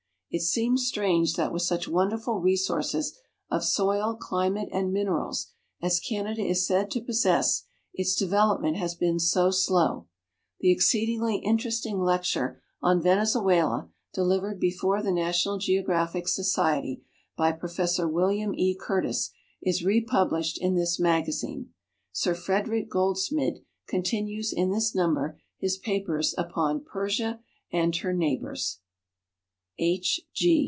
It seems strange that with such wonderful resources of soil, climate, and minerals as Canada is said to possess, its development has been so slow. The exceetlingly interesting lecture on Venezuela, delivered before the National (ieographic Society l)y Prof. AVm. E. Curtis, is rej)ublished in this magazine. Sir Frederic Goldsmid continues in this number his papers upon " Persia and Her Xeighlrors." H.